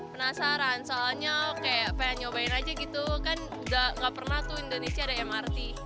penasaran soalnya kayak pengen nyobain aja gitu kan gak pernah tuh indonesia ada mrt